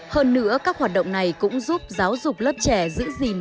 hơn nữa các hoạt động này cũng giúp giáo dục lớp trẻ giữ gìn